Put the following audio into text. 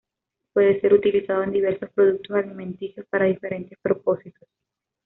Puede ser utilizado en diversos productos alimenticios para diferentes propósitos.